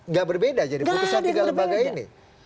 nggak berbeda jadi putusan tiga lembaga ini